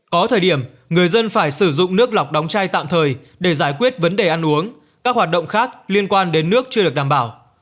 có thời điểm người dân phải sử dụng nước lọc đóng chai tạm thời để giải quyết vấn đề ăn uống các hoạt động khác liên quan đến nước chưa được đảm bảo